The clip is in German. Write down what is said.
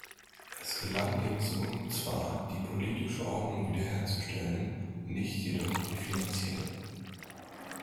Es gelang dem Sohn zwar, die politische Ordnung wiederherzustellen, nicht jedoch die finanzielle.